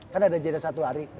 kan ada jadwal satu hari